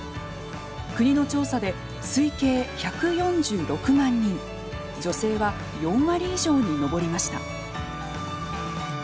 国の調査で推計１４６万人女性は４割以上に上りました。